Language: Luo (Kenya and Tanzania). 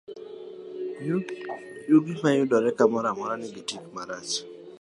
Yugi mayudore kamoro amora, nigi tik marach.